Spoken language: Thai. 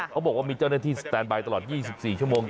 เขาบอกว่ามีเจ้าหน้าที่สแตนบายตลอด๒๔ชั่วโมง